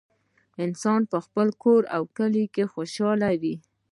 انسان په خپل کور او کلي کې خوشحاله وي